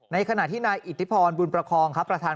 ในขณะที่นายอิทธิพรบุญประคองครับประธาน